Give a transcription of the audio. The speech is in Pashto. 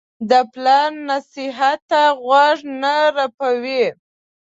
د پلار نصیحت ته غوږ نه رپوي.